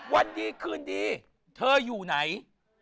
วันดีคืนดีเธออยู่ไหน